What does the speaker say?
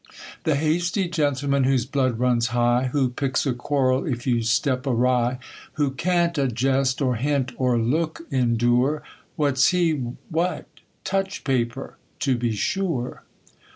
The hasty gentleman, whose blood runs high, Who picks a quarrel if you step awry. Who can't a jest, or hint, or look endure : What's he ? What ? Touch paper to be sure.